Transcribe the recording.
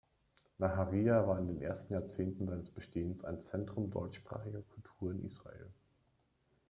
Naharija war in den ersten Jahrzehnten seines Bestehens ein Zentrum deutschsprachiger Kultur in Israel.